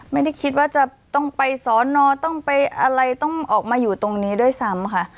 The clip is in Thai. ไม่ได้คิดว่าจะต้องไปสอนอต้องไปอะไรต้องออกมาอยู่ตรงนี้ด้วยซ้ำค่ะ